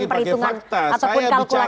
berdasarkan perhitungan ataupun kalkulasi politik